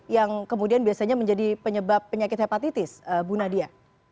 yang kemudian biasanya menjadi penyebab penyakit hepatitis bu nadia